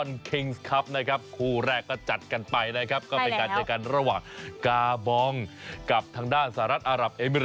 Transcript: อร่อยจากใจเดียวกันวีดโบ้งวีดโบ้งวีดโบ้งวีดโบ้งวีด